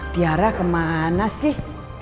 tiara kemana sih